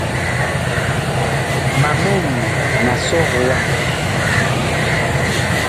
Ma mɛn ma sɔg wa.